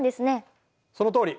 そのとおり。